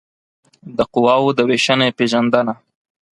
د قواوو د وېشنې پېژندنه